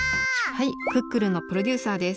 はい「クックルン」のプロデューサーです。